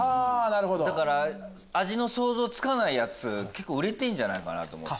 だから味の想像つかないやつ売れてるんじゃないかと思って。